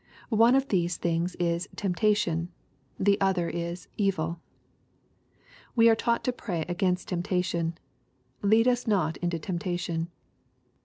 One ofthese things is "temptation/' The other is "evil." We are taught to pray against temptation : "Lead us not into temptation."